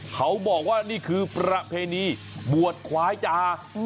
เขาบอกว่านี่คือประเพณีบวชควายจา